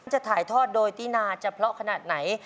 จะถ่ายทอดโดยตินาจะเพราะขนาดไหน